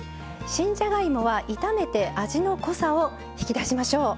新じゃがいもは炒めて味の濃さを引き出しましょう。